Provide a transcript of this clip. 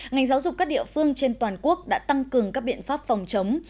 ngành giáo dục các địa phương trên toàn quốc đã tăng cường các biện pháp phòng chống